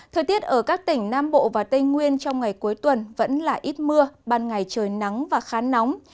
thời tiết ở các tỉnh nam bộ và tây nguyên trong ngày cuối tuần vẫn là ít mưa ban ngày trời nắng và khá nóng